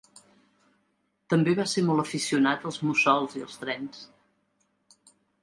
També va ser molt aficionat als mussols i els trens.